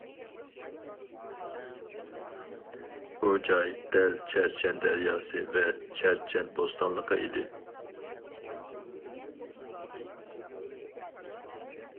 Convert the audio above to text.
بۇ جاي دەل چەرچەن دەرياسى ۋە چەرچەن بوستانلىقى ئىدى.